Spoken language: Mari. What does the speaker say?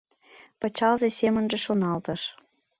Пычалзе семынже шоналтыш.